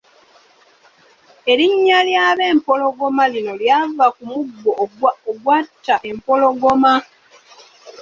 Erinnya ly’Abempologoma lino lyava ku muggo ogwatta empologoma.